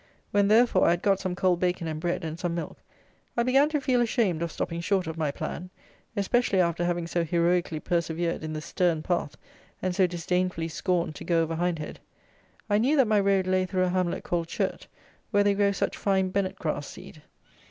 When, therefore, I had got some cold bacon and bread, and some milk, I began to feel ashamed of stopping short of my plan, especially after having so heroically persevered in the "stern path," and so disdainfully scorned to go over Hindhead. I knew that my road lay through a hamlet called Churt, where they grow such fine bennet grass seed.